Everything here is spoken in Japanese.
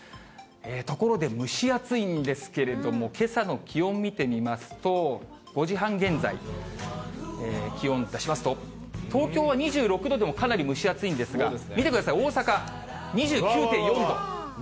ところで蒸し暑いんですけれども、けさの気温見てみますと、５時半現在、気温出しますと、東京は２６度でもかなり蒸し暑いんですが、見てください、大阪２９．４度。